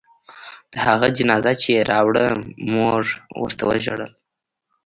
د هغه جنازه چې يې راوړه موږ ورته ژړل.